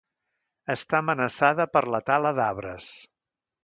Està amenaçada per la tala d'arbres.